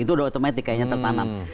itu sudah otomatik kayaknya tertanam